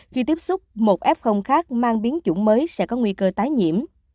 khi tiếp xúc một f khác mang biến chủng mới sẽ có nguy cơ tái nhiễm